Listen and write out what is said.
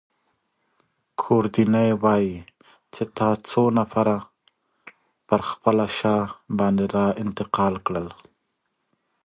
ګوردیني وايي چي تا څو نفره پر خپله شا باندې انتقال کړل.